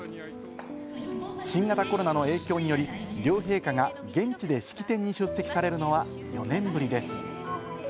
新型コロナの影響により、両陛下が現地で式典に出席されるのは４年ぶりです。